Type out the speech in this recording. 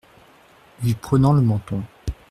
Lui prenant le menton.